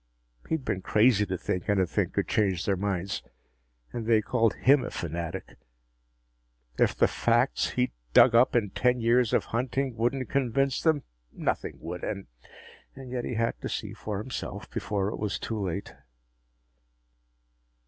He'd been crazy to think anything could change their minds. And they called him a fanatic! If the facts he'd dug up in ten years of hunting wouldn't convince them, nothing would. And yet he had to see for himself, before it was too late!